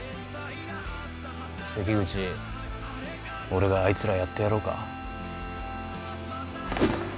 俺があいつらやってやろうか？